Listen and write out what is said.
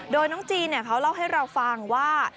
โดยน้องจีนเขาเล่าให้เราฟังว่า